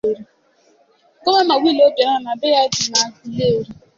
Gọvanọ Willie Obianọ na be ya dị n'Agụleri